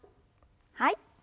はい。